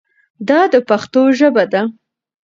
دا د پښتو ژبه ده.